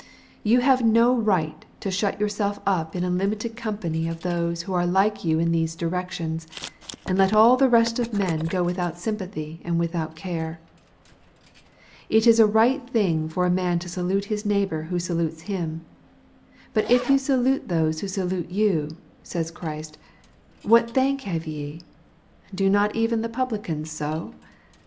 You have no right to shut yourself up in a limited company of those who are like you in these directions, and let all the rest of men go without sympathy and without care. It is a right thing for a man to salute his neighbor who salutes him; but if you salute those who salute you, says Christ, what thank have ye do not even the publicans so?